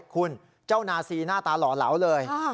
คุณเจ้านาซีหน้าตาหล่อเหลาเลย